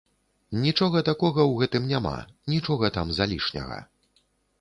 Нічога такога ў гэтым няма, нічога там залішняга.